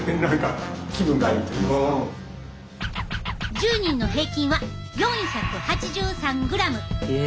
１０人の平均は４８３ｇ。